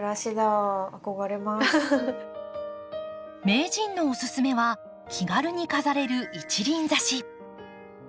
名人のおすすめは気軽に飾れる一輪挿し。